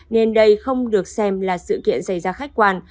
nên đây không được xem là sự kiện xảy ra khách quan